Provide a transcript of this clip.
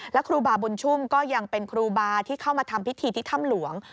และครูบาบุญชุ่มก็ยังเป็นครูบาที่เข้ามาทำพิธีที่ถ้ำหลวง